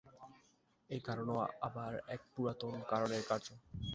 এই কারণও আবার এক পুরাতন কারণের কার্য।